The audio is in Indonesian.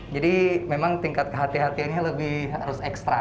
jadi memang tingkat hati hatiannya lebih harus ekstra